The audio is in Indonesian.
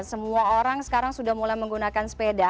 semua orang sekarang sudah mulai menggunakan sepeda